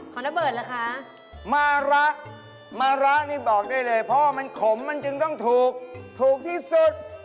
ระเบิดล่ะคะมาระมะระนี่บอกได้เลยเพราะว่ามันขมมันจึงต้องถูกถูกที่สุด